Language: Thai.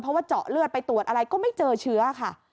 เพราะว่าเจาะเลือดไปตรวจอะไรก็ไม่เจอเชื้อค่ะ